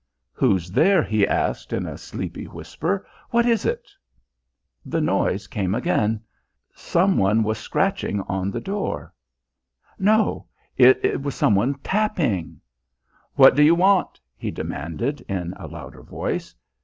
"Who's there?" he asked in a sleepy whisper. "What is it?" The noise came again. Some one was scratching on the door. No, it was somebody tapping. "What do you want?" he demanded in a louder voice.